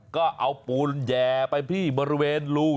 ก็เอาปูนแห่ไปที่บริเวณรู